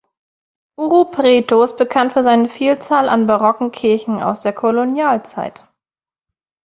Ouro Preto ist bekannt für seine Vielzahl an barocken Kirchen aus der Kolonialzeit.